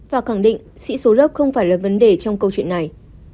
và khẳng định sĩ số lớp không phải là vấn đề trong câu chuyện này